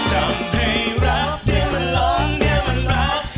ทำให้รับเดี๋ยวมันล้มเดี๋ยวมันรับ